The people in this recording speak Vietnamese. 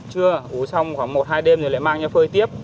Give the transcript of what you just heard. chưa ủ xong khoảng một hai đêm rồi lại mang cho phơi tiếp